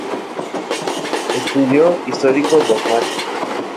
Estudio histórico dogmático".